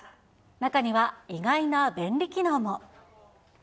中には、意外な便利機能も。